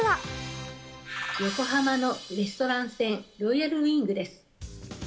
横浜のレストラン船、ロイヤルウイングです。